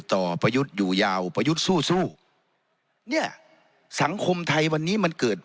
ประยุทธ์อยู่ยาวประยุทธ์สู้สู้เนี่ยสังคมไทยวันนี้มันเกิด